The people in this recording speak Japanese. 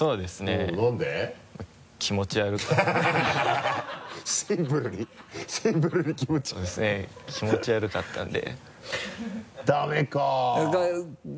えぇ気持ち悪かったんでダメか。